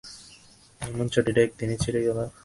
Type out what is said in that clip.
অমন চটিটা এক দিনেই ছিড়ে গেলো?